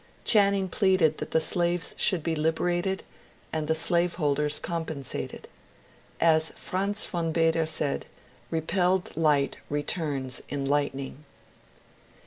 Channing pleaded that the slaves should be liberated and the slaveholders compensated. As Franz von Baader said, repelled light returns in lightning.